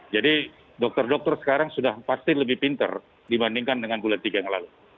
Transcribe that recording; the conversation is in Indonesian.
jadi dokter dokter sekarang sudah pasti lebih pinter dibandingkan dengan bulan tiga yang lalu